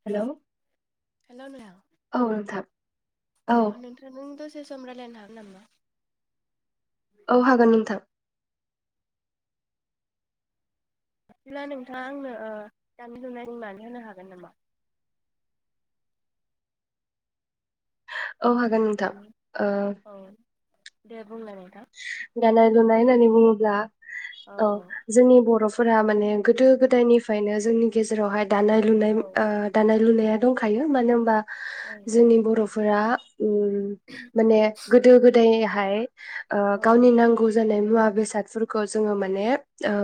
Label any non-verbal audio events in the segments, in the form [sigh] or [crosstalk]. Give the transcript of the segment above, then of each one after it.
Hello hello औ नोंथां नोंथांजों द दसे सम रायलायनो हागोन नामा? औ हागोन नोंथां। बिदिब्ला नोंथाङा आंनो ओ दानाय लुनाय होनो हागोन नामा? औ हागोन बिदिब्ला नोंथाङा नोंथां। आंनो ओ दे बुंलाय नोंथां। दाननाय लुनायनि होननानै बुङोब्ला। औ जोंनि बर' फोरा माने गोदो गोदायनिफ्रायनो जोंनि गेजेरावहाय दानाय लुनाय औ दानाय लुनाया दं खायो मानो होनबा औ जोंनि बर'फोरा माने गोदो गोदाय हाय औ गावनि नांगौ जानाय मुवा बेसादफोरखौ जोङो माने औ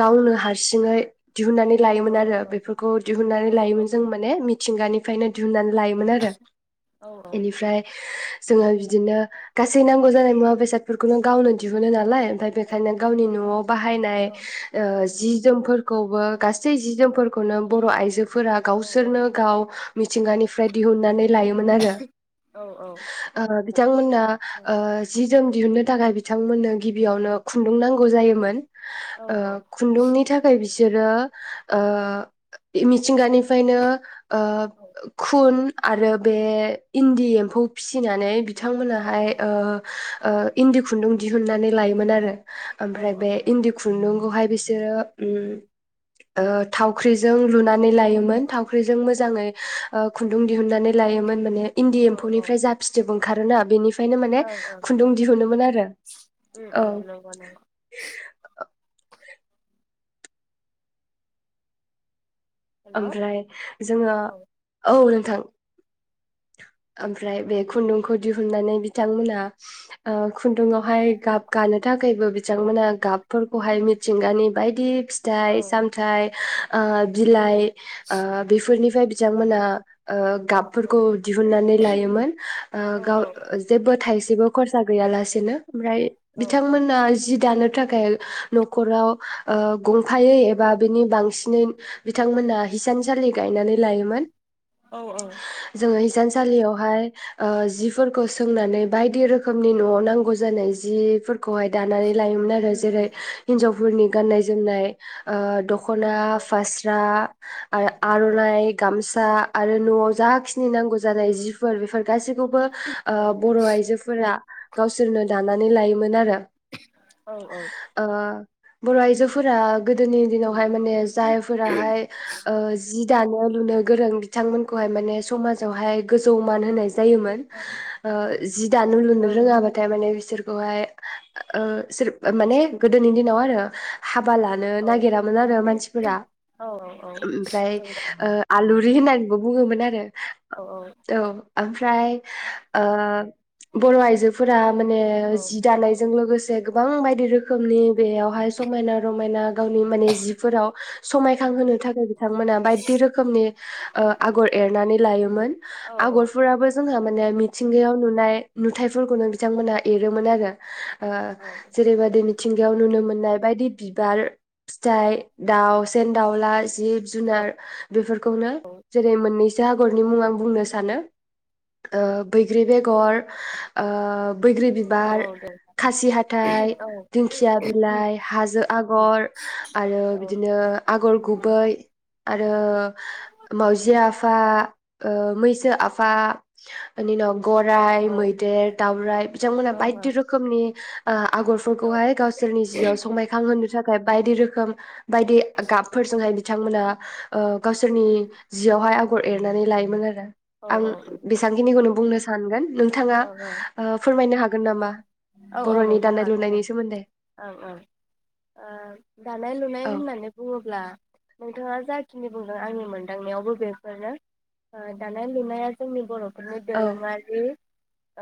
गावनो हा हारसिङै दिहुननानै औ लायोमोन आरो बेफोरखौ दिहुननानै औ लायोमोन जों माने मिथिंगानिफ्रायनो दिहुननानै लायोमोन आरो औ औ बेनिफ्राय जोङो बिदिनो गासै नांगौ जानाय मुवा बेसाद बेफोरखौ नों गावनो दिहुनो नालाय ओमफ्राय बेखायनो गावनि न'आव बाहायनाय औ जि जोमफोरखौबो गासै जि जोमफोरखौनो बर' आइजो फोरा औ गावसोरनो गाव मिथिंगानिफ्राय दिहुननानै लायोमोन आरो बिथांमोना जि जोम दिहुननो थाखाय बिथांमोननो गिबियावनो खुन्दुं नांगौ जायोमोन औ औ खुन्दुंनि थाखाय बिसोरो मिथिंगानिफ्रायनो खुन आरो बे इन्दि एम्फौ फिसिनानै ओं बिथांमोनाहाय ओ इन्दि खुन्दुं दिहुनन्नानै लायोमोन आरो । ओमफ्राय बे इन्दि खु न्दुंखौहाय बिसोरो ओम ओ थावख्रि जों लु नानै लायोमोन थावख्रिजों मोजाङै ओ खुन्दुं दिहुनन्नानै लायोमोन माने इन्दि ओं उम एम्फौनिफ्राय जा फिथोब ओं खारोना बेनि खायनो माने खुन्दुं दिहुनोमोन आरो औ उम नंगौ नंगौ । हेल' ओमफ्राय जोङो औ औ नों थां आमफ्राय बे खुन्दुंखौ दिहुननानै बिथांमोना ओ खुन्दुंवाहाय गाब गानो थाखायबो औ बिथांमोना गाबफोरखौहाय मिथिंगानि बायदि औ फिथाइ सामथाइ आ बि लाइ ओ बेफोरनिफाय बि थियांमोना ओ औ गाबफोरखौ दिहुनन्नानै लायोमोन ओ गाव जेबो थाइ सेबो खरसा गैयालासेनो । ओमफ्राय औ औ बिथांमोना जि दानो थाखाय न'खराव ओ गंफायै एबा बिनि बांसिनै बिथांमोनहा हिसानसालि गायनानै लायोमोन । औ औ । सानलियावहाय ओ जिफोरखौ सोंनानै बायदि रोखोमनि न'आव नांगौ जानाय जिफोरखौहाय दा नानै लायोमोन आरो । उम जेरै उम हिनजाव फोरनि गाननाय जोमनाय ओ औ दख'ना औ फास्र आ आर औ नंगौ औ आरनाय गामस आ आरो न'आव जाखिनि नांगौ जानाय जिफोर बेफोर गासिब खौबो ओ बर' आइजोफोरा गावसोरनो दानानै लायोमोन आरो । [inaudible] ओ बर' आइजोफोरा गोदोनि दिनावहाय माने जाय फोराहाय ओ जि दा दानो लुनो गोरों बिथांमोनखौहाय माने समाजावहाय गोजौ मान होनाय जायोमोन ओ जि दानो लुनो रोङाबाथाय माने बि सोरखौहाय ओ सोर माने गोदोनि दिनावा [unintelligible] हाब [unintelligible] लानो नागिरामोन आरो दे मानसिफोरा ओमफ्राय ओ आलु लुरि होननानैबो बुङोमोन आरो औ औ ओमफ्राय ओ बर' आइजोफोरा माने औ जि दानायजों लोगोसे जे गोबां बायदि रोखोमनि बेयावहाय समायना रमायना गावनि माने जिफोराव समायखांहोनो थाखा बिथांमोना बायदि रोखोमनि ओ आगर एरनानै लायोमोन आगरफोराबो जोंहा मिथिंगायाव नुनाय नुथाइफोरखौनो बिथांमोनहा एरोमोन आरो ओ जेरैबदि मिथिंगायाव नुनो मोननाय बेबायदि बिबार फिथाइ दाउ [unintelligible] दाउला जिब जुनार बेफोरखौनो जेरै मोनै आगरनि मुं आं बुंनो सानो ओ बैग्रि बेगर ओ बैग्रि बिबार खासि हाथाइ दिंखिया बिलाइ हाजो आगर आरो बिदिनो आगर गुबै आरो मावजिया आफा ओ मैसो आफा बिनि उनाव गराय ओं मैदेर दावरायाइ बिथांमोनहा ओं बायदि औ रोखोमनि ओ आगरफोरखौहाय गावसोरनि जिआव समायखां होनो थाखाय बायदि रोखोम बायदि गाबफोरजोंहाय बिथांमोना ओ गावसोरनि जियावहाय आ आगर एरनानै लायोमोन आरो। औ औ आं बेसेबां खिनिखौ बुंनो सानगोन। नोंथाङा फोरमायनो हागोन। गोन नामा? औ -औ बर'नि नोंथां दानाय हागोन औ लुनायनि सोमोन्दै औ- औ ओ दानाय लुनाय औ होननानै बुङोब्ला नोंथाङा जाखिनि बुंदों आंनि मोनदांनायावबो बेफोरनो ।ओ दानाय लुनाया जोंनि बर' [unintelligible] औ दोरोङारि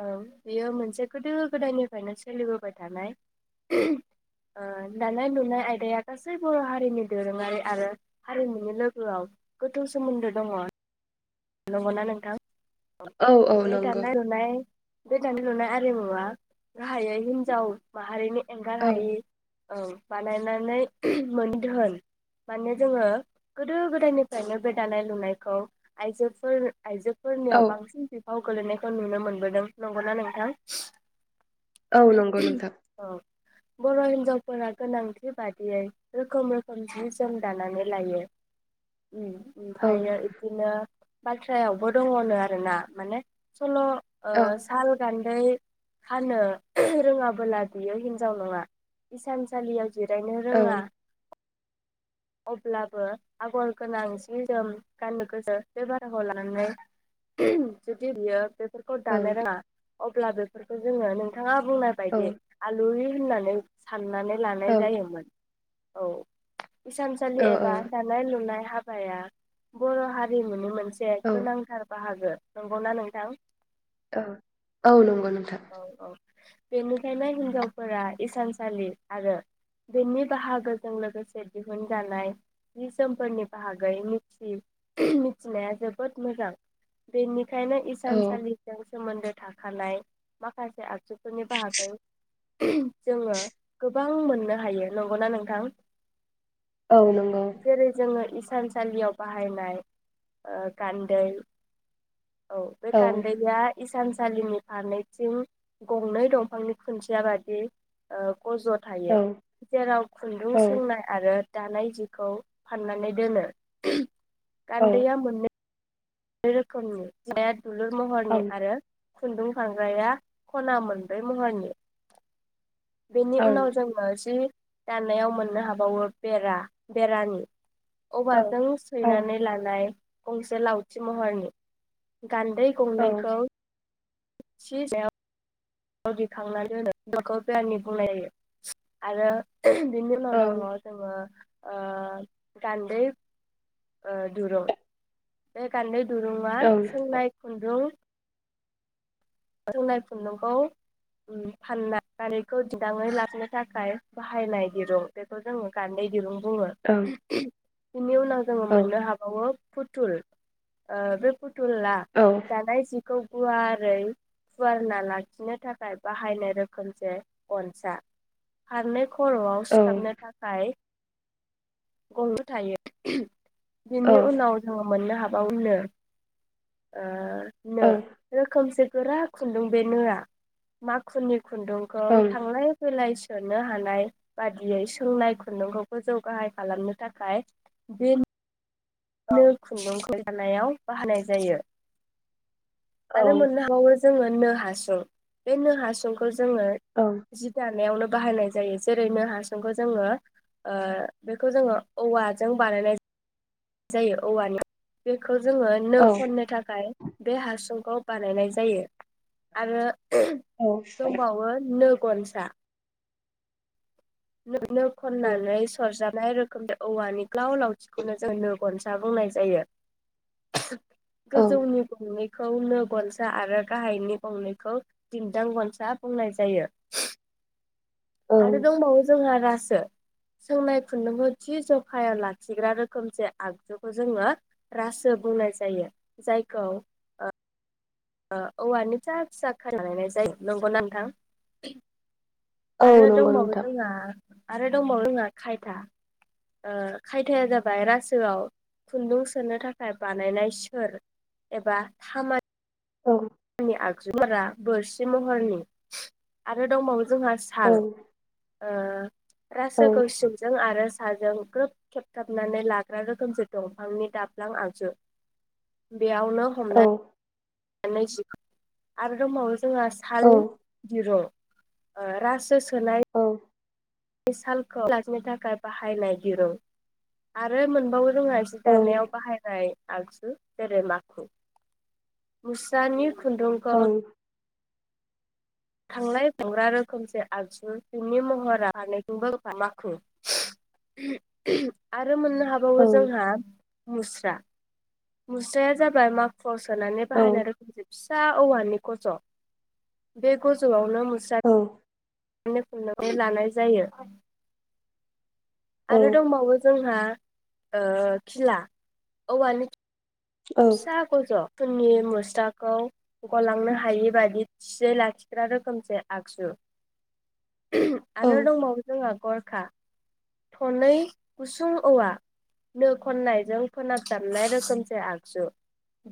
औ बेयो मोनसे गोदो गोदायनिफ्रायनो सोलिबोबाय थानाय । ओ दानाय -लुनाय आयदाया गासै बर' हारिनि दोरोङारि आरो हारिमुनि लोगोआव गोथौ सोमोन्दो दङ'। नंगौना नोंथां? औ औ बे नंगौ दानाय- लुनाय बे दानि लुनाय आरिमुआ गाहायै हिनजाव माहारिनि एंगार औ हायि औ बानायनानै मोनधोन माने जोङो गोदो गोदायनिफ्रायनो बे दानाय लुनायखौ आइजोफोर औ आइजोफोरनियाव बांसिन बे [unintelligible] गोलैनायखौ नुनो मोनबोदों नंगौना नोंथां? औ नंगौ [unintelligible] नोंथां औ बर' हिन्जावफोरा गोनांथि बादियै रोखोम रोखोम जि -जोम दानानै लायो। उम औ ओमफायो इदिनो बाथ्रायावबो दङ'नो आरोना माने सल' ओ औ साल गान [unintelligible] खानो रोङाबोला बियो हिनजाव नङा इानसालियाव जिरायनो औ रोङा अब्लाबो आगर गोनां जि -जोम गाननो गोजो बे बाराह लानानै जुदि बियो बे फोरखौ औ दानो रोङा अब्ला बेफोरखौ जोङो नोंथाङा बुंनाय बायदि आलुयि होननानै साननानै लानाय जायो मोन औ इसानसालि औ एबा दानाय -लुनाय हाब [unintelligible] बर' हार रिमुनि मोन से औ गोनांथार बाहागो। नंगौ ना नोंथां? औ औ उम नंगौ नोंथां। औ औ बेनिखायनो हिनजावफोरा इसानसालि आरो बेनि बाहागोजों लोगोसे दिहुनजानाय जि जोमफोरनि बाहागै मिथि मिथिनाया जोबोद मोजां बेनि खायनो औ इसानसालिखौ सोमोन्दो थाखानाय माखासे आगजु नि बाहागै जोङो गोबां मोननो हायो। नंगौ ना नोंथां? औ नंगौ जेरै जोङो इस सानसालियाव बाहायनाय ओ गान्दै औ बे गान्दैया इस सानसालिनि फारनैथिं गंनै दंफांनि खुन्थियाबादि ओ गज' थायो औ जेराव खुन्दुं औ सोंनाय आरो दानाय जिखौ फाननानै दोनो। औ ओं गान्दैया मोननै मोननै रोखोमनि [unintelligible] दुलुर महरनि आरो खुन्दुं फानग्राया ख'ना मोनब्रै महरनि। बेनि ओं उनाव जोङो जि दानायाव मोननो हाबावो बेरा बेरानि औ औवाजों औ ओं सैनानै लानाय गंसे लाव थि महरनि गान्दै गंनैखौ [unintelligible] [unintelligible] दिखांना दोनो [unintelligible] आरो बेनि उनाव दङ' जोङो ओ गान्दै ओ दुरुं बे गान्दै दुरुङा सोंनाय खुन्दुं सोंनाय खुन्दुंखौ ओम फाननानै बेखौ दिन्दाङै लाबोनो थाखाय बाहायनाय दिरुं बेखौ जोङो गान्दै दिरुं बुङो ओं बिनि उनाव जोङो ओं मोननो औ हाबावो फुथुल ओं बे फुथुला औ दानाय जि खौ गुवारै फुवारना लाखिनो थाखाय बाहायनाय रोखोमसे गनसा फारनै खर'आव औ सिथाबनो थाखाय गंल' थायो औ बिनि उनाव जोङो मोननो हाबावयोनो ओ नो रोखोमसे गोरा खुुनदों बे नोआ मा खुनि खुन्दुंखौ थांलाय फैलाय सोननो हानाय बादियै सोंनाय खुन्दुंखौ गो जौगाहाय खालामनो थाखाय बे नों खुन्दुंखौ दानायाव बाहनाय जायो आरो ओं मोननो हाबावो जे जोङो नो हासुं बे नो हासुंखौ जोङो औ जि दानायावनो बाहायनाय जायो जेरै नो हासुंखौ जोङो ओ बेखौ जोङो औवाजों बानायनाय जायो जायो औवानि बेखौ खौ जोङो नो औ खननो थाखाय बे हासुंखौ बानायनाय जायो आरो औ दंबावो नो गनसा [unintelligible] नो खननानै सरजाब ननाय रखम द औानि [unintelligible] गोलाव लावथिखौनो जोङो गनसा बुंनाय जायो औ गोजौनि गंनै खौ नो गनसा आरो गाहायनि गंनैखौ दिनदां गनसा बुंनाय जायो औ आरो दंबावो हा रासो सोंनाय खुन्दुंखौ थि जखायाव लाखिग्रा रोखोमसे आगजुखौ जोङो रासो बुंनाय जायो जायखौ ओ ओ औवानि फिसा फिसा खाय बानायनाय जायो नंगौना नोंथां? औ आरो नंगौ दंबावो नोंथां जोंहा आरो दंबावो जोंहा खाइथा ओ खाइथाया जाबाय रासोआव खुन्दुं सोनो थाखाय बानायनाय सोर एबा थामा औ नि आगजु [unintelligible] बोरसि महरनि आरो दंबावो जोंहा औ साल। ओ औ रासोखौ सिंजों आरो साजों ग्रोब खेबथाबनानै लाग्रा रोखोमसे दंफांनि दाब्लां आगजु। बेयावनो औ हमना दानाय सि। आरो दंबावो जोंहा साल ओं दिरुं। ओ रासो सोनाय औ सालखौ [unintelligible] थाखाय बाहायनाय दिरुं आरो मोनबावो जोंना जि दानायाव बाहायनाय आगजु जेरै माखु मुस्रानि औ खुन्दुंखौ थांलाय [unintelligible] रोखोमसे आगजु सिंनि महरा फारनैथिंबो [unintelligible] माखु आ रो मोननो हाबावो जोंहा मुस स्रा। मुस्राया जाबाय मा खुआव सोनानै बाहायना रोखोम फिसा औवानि गज' बे गज'आव नो मुस्रा औ [unintelligible] लानाय जायो। आरो दंबावो जोंहा ओ खिला औवानि फिसा गज' [unintelligible] मुस्राखौ गलांनो हायि बादि थियै लाखिग्रा रोखोमसे आगजु। आरो उम दंबावो जोंहा गर खा थरनै गुसुं औवा नो खननायजों फोनाबजाबनाय रोखोमसे आग जु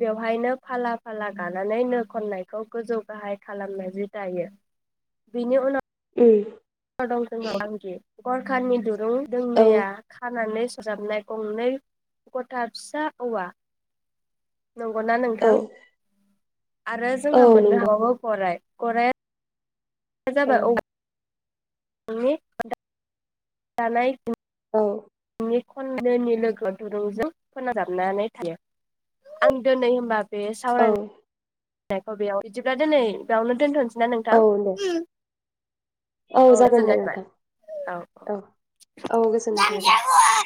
बेवहायनो फाला फाला गानानै नो खननायखौ गोजौ गाहाय खालामना जि दायो बिनि उनाव उम [unintelligible] गरखानि दु रुं दोंनैया खानानै सरजाबनाय गंनै गथा फिसा औवा नंगौना औ नोंथां आरो औ जोंहा मोननो नंगौ हाबावो गराय गराय दा जाबाय औ [unintelligible] जानाय औ [unintelligible] लोगोआव दुरुंजों फोनांजाबनानै थायो आं दोनै होनबा बे औ सावरायनाय नायखौ बेयाव बिदिब्ला दोनै बेयावनो दोनथ'सै ना नोंथां औ दे औ जागोन दे गोजोननाय नोंथां थाबाय औ गोजोननाय थाबाय औ दे औ